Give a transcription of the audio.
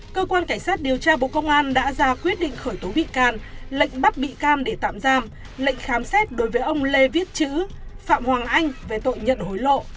cơ quan cảnh sát điều tra bộ công an vừa khởi tố bị can lệnh bắt bị can để tạm giam lệnh khám xét đối với ông lê viết chữ phạm hoàng anh về tội nhận hối lộ